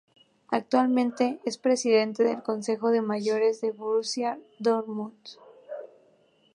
Actualmente es presidente del Consejo de Mayores del Borussia Dortmund.